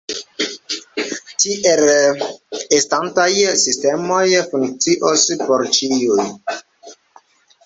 Tiel estontaj sistemoj funkcios por ĉiuj.